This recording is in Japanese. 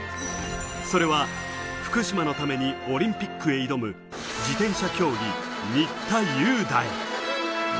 それは福島のためにオリンピックへ挑む自転車競技、新田祐大。